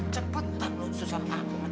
cepat tak perlu susah banget